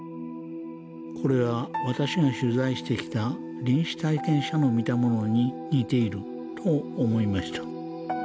これは私が取材してきた臨死体験者の見たものに似ていると思いました。